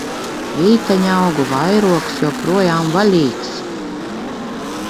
Vīteņaugu vairogs joprojām vaļīgs!